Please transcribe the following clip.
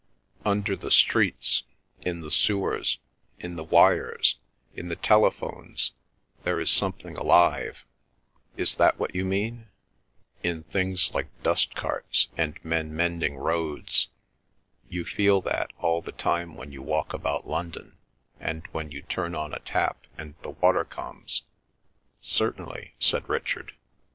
"Under the streets, in the sewers, in the wires, in the telephones, there is something alive; is that what you mean? In things like dust carts, and men mending roads? You feel that all the time when you walk about London, and when you turn on a tap and the water comes?" "Certainly," said Richard.